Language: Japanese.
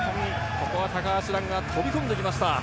ここは高橋藍が跳び込んできました。